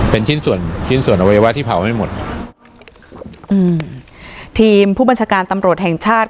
เป็นชิ้นส่วนชิ้นส่วนอวัยวะที่เผาไม่หมดอืมทีมผู้บัญชาการตำรวจแห่งชาติ